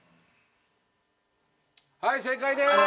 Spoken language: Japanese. はい正解です